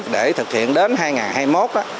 để thực hiện đến hai nghìn hai mươi một đó